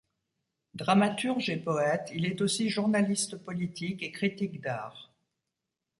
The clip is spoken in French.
Dramartuge et poète, il est aussi journaliste politique et critique d’art.